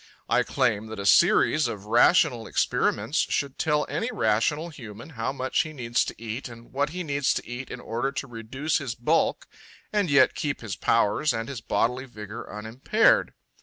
I claim that a series of rational experiments should tell any rational human how much he needs to eat and what he needs to eat in order to reduce his bulk and yet keep his powers and his bodily vigor unimpaired.